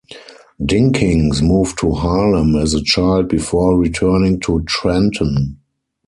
Dinkins moved to Harlem as a child before returning to Trenton.